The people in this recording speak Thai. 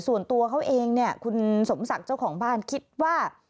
ส่วนตัวเขาเองเนี่ยคุณสมศักดิ์เจ้าของบ้านคิดว่า